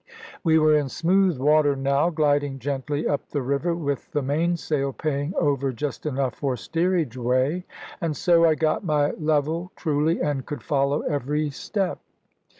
We were in smooth water now, gliding gently up the river, with the mainsail paying over just enough for steerage way; and so I got my level truly, and could follow every step.